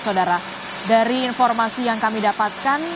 saudara dari informasi yang kami dapatkan